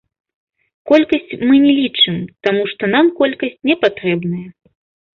Колькасць мы не лічым, таму што нам колькасць не патрэбная.